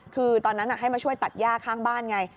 คือตอนนั้นให้มาช่วยตัดย่าข้างบ้านไง